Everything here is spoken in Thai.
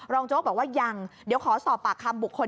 โจ๊กบอกว่ายังเดี๋ยวขอสอบปากคำบุคคล